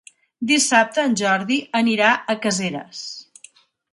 Dissabte en Jordi anirà a Caseres.